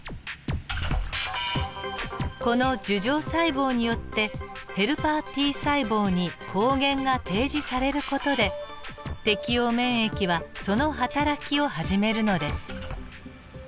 この樹状細胞によってヘルパーＴ細胞に抗原が提示される事で適応免疫はそのはたらきを始めるのです。